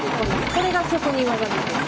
これが職人技です。